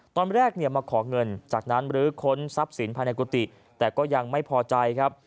ตอนแรกเนี่ยมาขอเงินจากนั้นหรือค้นทรัพย์สินภายในกุฏิแต่ก็ยังไม่พอใจครับ